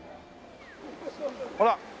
ほら。